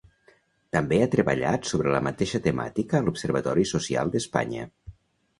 També ha treballat sobre la mateixa temàtica a l'Observatori Social d'Espanya.